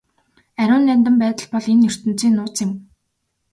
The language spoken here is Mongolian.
Ариун нандин байдал бол энэ ертөнцийн нууц юм.